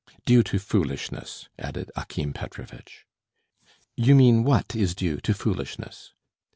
"Due to foolishness," added Akim Petrovitch. "You mean what is due to foolishness?"